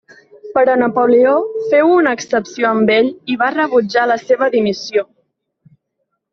Però Napoleó féu una excepció amb ell i va rebutjar la seva dimissió.